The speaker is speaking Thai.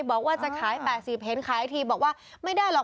บอกว่าจะขาย๘๐เห็นขายทีบอกว่าไม่ได้หรอก